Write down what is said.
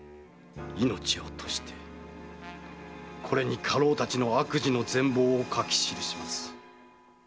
「命を賭してこれに家老たちの悪事の全貌を書き記します」！